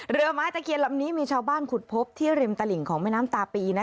เรือไม้ตะเคียนลำนี้มีชาวบ้านขุดพบที่ริมตลิ่งของแม่น้ำตาปี